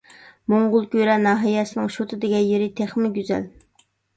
موڭغۇلكۈرە ناھىيەسىنىڭ شوتا دېگەن يېرى تېخىمۇ گۈزەل.